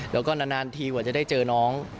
แล้วก็นานทีกว่าจะได้เจอน้อง